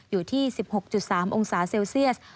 อยู่ที่๑๖๓องศาเซลเซียส